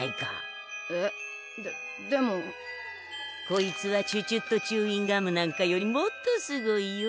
こいつはチュチュットチューインガムなんかよりもっとすごいよ。